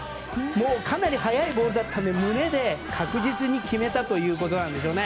かなり速いボールだったので胸で確実に決めたということなんでしょうね。